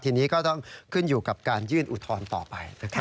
ทีนี้ก็ต้องขึ้นอยู่กับการยื่นอุทธรณ์ต่อไปนะครับ